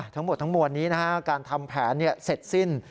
ทั้งหมดนี้นะครับการทำแผนเสร็จสิ้น